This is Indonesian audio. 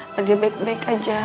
lagi baik baik aja